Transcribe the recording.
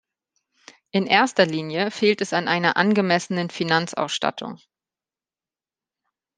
In erster Linie fehlt es an einer angemessenen Finanzausstattung.